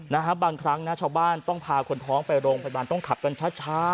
นะฮะบางครั้งนะชาวบ้านต้องพาคนท้องไปโรงพยาบาลต้องขับกันช้าช้า